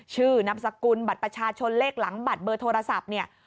ชื่อนับสกุลบัตรประชาชนเลขหลังบัตรเบอร์โทรศัพท์